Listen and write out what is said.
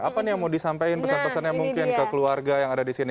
apa nih yang mau disampaikan pesan pesannya mungkin ke keluarga yang ada di sini